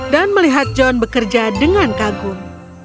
dan melihat john bekerja dengan kagum